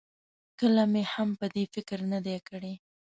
کله مې هم په دې فکر نه دی کړی.